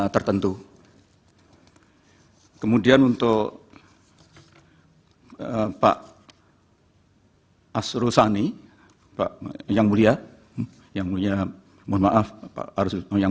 tertentu kemudian untuk hai pak hai asro sani yang mulia yang punya mohon maaf harus yang